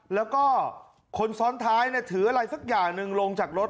แล้วก็คนซ้อนท้ายถืออะไรสักอย่างหนึ่งลงจากรถ